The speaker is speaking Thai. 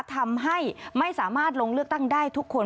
ทำให้ไม่สามารถลงเลือกตั้งได้ทุกคน